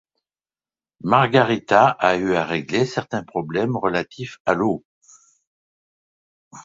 Margarita a eu à régler certains problèmes relatifs à l’eau.